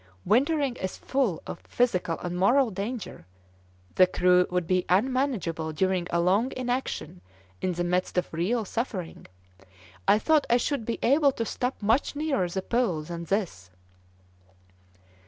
Wintering is full of physical and moral danger. The crew would be unmanageable during a long inaction in the midst of real suffering. I thought I should be able to stop much nearer the Pole than this!"